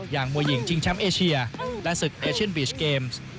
มวยหญิงชิงแชมป์เอเชียและศึกเอเชียนบีชเกมส์